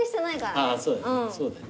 ああそうだよね。